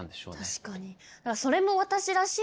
確かに。